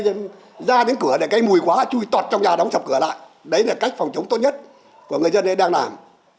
đánh cửa để cây mùi quá chui tọt trong nhà đóng sập cửa lại đấy là cách phòng chống tốt nhất của người dân này đang làm